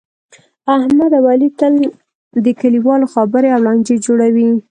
احمد اوعلي تل د کلیوالو خبرې او لانجې جوړوي.